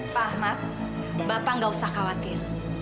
pak ahmad bapak nggak usah khawatir